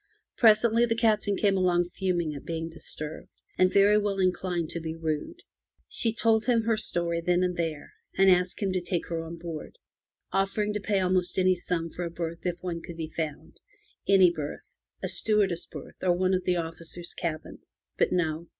Presently the Captain came along fuming at being disturbed, and very well inclined to be rude. She told him her story there and then, and asked him to take her on board, offering to pay almost any sum for a berth if one could be found — any berth, a stewardess berth or one of the officers* cabins. But no.